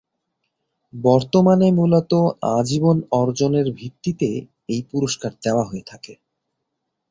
বর্তমানে মূলত আজীবন অর্জনের ভিত্তিতে এই পুরস্কার দেয়া হয়ে থাকে।